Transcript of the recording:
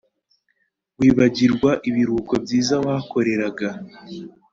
wibagirwa ibiruhuko byiza wahakoreraga